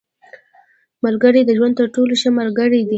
• ملګری د ژوند تر ټولو ښه ملګری دی.